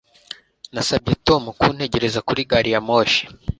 Nasabye Tom kuntegereza kuri gari ya moshi